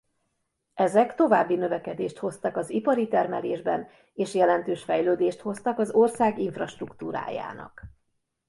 Ezek további növekedést hoztak az ipari termelésben és jelentős fejlődést hoztak az ország infrastruktúrájának.